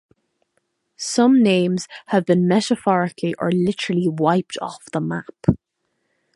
Some names have been metaphorically or literally wiped off the map.